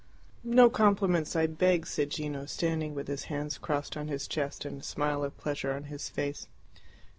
"No compliments, I beg," said Gino, standing with his hands crossed on his chest and a smile of pleasure on his face.